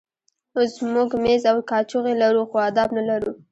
اوس موږ مېز او کاچوغې لرو خو آداب نه لرو.